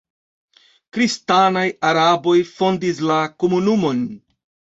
Kristanaj araboj fondis la komunumon.